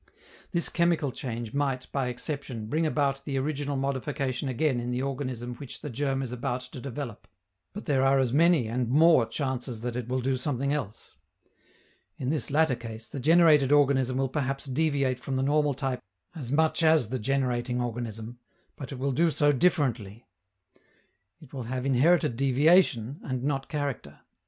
This chemical change might, by exception, bring about the original modification again in the organism which the germ is about to develop, but there are as many and more chances that it will do something else. In this latter case, the generated organism will perhaps deviate from the normal type as much as the generating organism, but it will do so differently. It will have inherited deviation and not character.